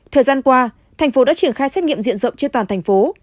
thời gian qua thành phố đã triển khai xét nghiệm diện rộng trên toàn thành phố